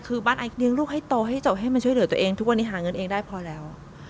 คือบ้านไอเลี้ยงลูกให้โตให้จบให้มันช่วยเหลือตัวเองทุกวันนี้หาเงินเองได้พอแล้ว